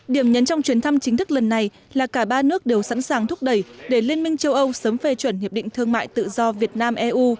điểm nhấn trong chuyến thăm chính thức lần này là cả ba nước đều sẵn sàng thúc đẩy để liên minh châu âu sớm phê chuẩn hiệp định thương mại tự do việt nam eu